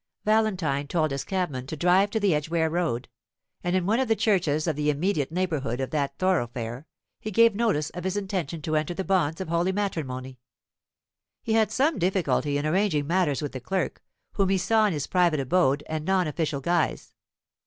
Valentine told his cabman to drive to the Edgware Road; and in one of the churches of the immediate neighbourhood of that thoroughfare he gave notice of his intention to enter the bonds of holy matrimony. He had some difficulty in arranging matters with the clerk, whom he saw in his private abode and non official guise.